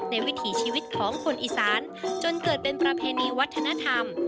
วิถีชีวิตของคนอีสานจนเกิดเป็นประเพณีวัฒนธรรม